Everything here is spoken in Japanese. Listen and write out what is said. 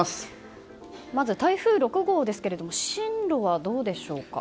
まず、台風６号ですが進路はどうでしょうか？